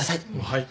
はい。